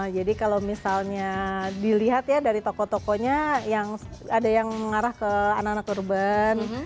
jadi kalau misalnya dilihat ya dari toko tokonya yang ada yang mengarah ke anak anak urban